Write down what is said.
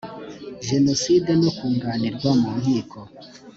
jenoside no kunganirwa mu nkiko